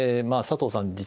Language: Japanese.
佐藤さん